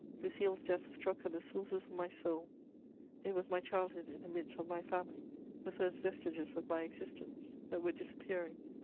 Lucile's death struck at the sources of my soul: it was my childhood in the midst of my family, the first vestiges of my existence, that were disappearing.